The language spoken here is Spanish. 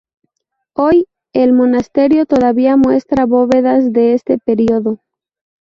Hoy, el monasterio todavía muestra bóvedas de este período.